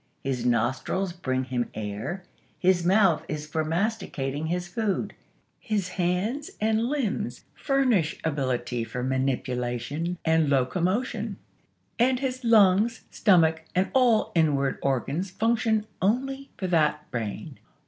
His nostrils bring him air; his mouth is for masticating his food; his hands and limbs furnish ability for manipulation and locomotion; and his lungs, stomach and all inward organs function only for that brain.